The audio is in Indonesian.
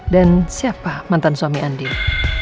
dan siapa mantan suami andien